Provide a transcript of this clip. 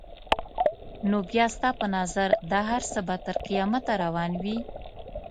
نو بیا ستا په نظر دا هر څه به تر قیامته روان وي؟